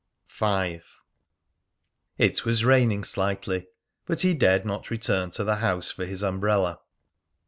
V. It was raining slightly, but he dared not return to the house for his umbrella.